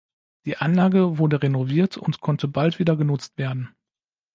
Die Anlage wurde renoviert und konnte bald wieder genutzt werden.